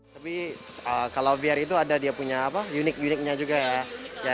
tapi kalau vr itu ada dia punya unik uniknya juga ya